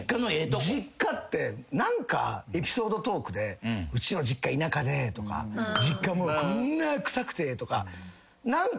実家って何かエピソードトークでうちの実家田舎でとか実家もうこんな臭くてとか何か。